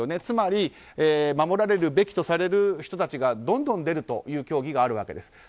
つまり守られるべきとされる人たちがどんどん出るという競技があるわけです。